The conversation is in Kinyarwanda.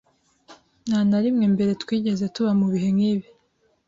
Nta na rimwe mbere twigeze tuba mu bihe nk'ibi